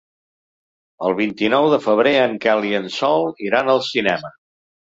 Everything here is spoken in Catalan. El vint-i-nou de febrer en Quel i en Sol iran al cinema.